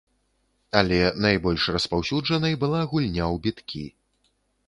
Але найбольш распаўсюджанай была гульня ў біткі.